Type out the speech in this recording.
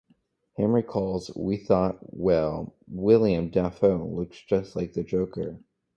Hamm recalls We thought, 'Well, Willem Dafoe looks just like The Joker.